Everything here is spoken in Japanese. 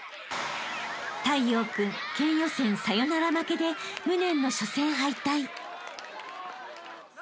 ［太陽君県予選サヨナラ負けで無念の］